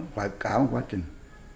phải cả một quá trình